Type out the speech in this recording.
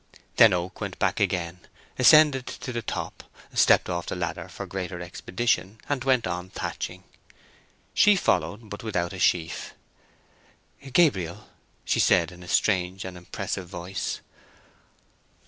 Then Oak went back again, ascended to the top, stepped off the ladder for greater expedition, and went on thatching. She followed, but without a sheaf. "Gabriel," she said, in a strange and impressive voice.